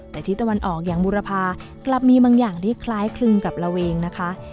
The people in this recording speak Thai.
แต่ที่ตะวันออกอย่างบุรพากลับมีบางอย่างที่คล้ายคลึงกับระเวงนะคะ